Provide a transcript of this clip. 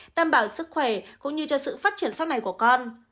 đảm bảo sức khỏe cũng như cho sự phát triển sau này của con